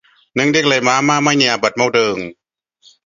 नों देग्लाय मा मा मायनि आबाद मावदों?